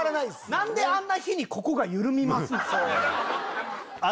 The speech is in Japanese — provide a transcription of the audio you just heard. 何であんな日にここが緩みますの